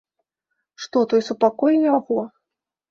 Што той супакоіў яго?